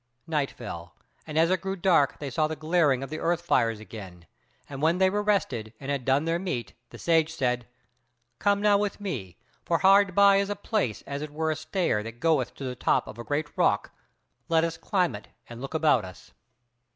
Night fell, and as it grew dark they saw the glaring of the earth fires again; and when they were rested, and had done their meat, the Sage said: "Come now with me, for hard by is there a place as it were a stair that goeth to the top of a great rock, let us climb it and look about us."